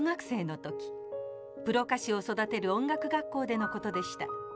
プロ歌手を育てる音楽学校でのことでした。